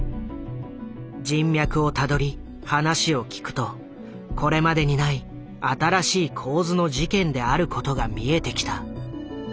人脈をたどり話を聞くとこれまでにない新しい構図の事件であることが見えてきた。